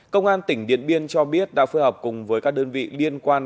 công an tỉnh điện biên cho biết đã phơi hợp cùng với các đơn vị liên quan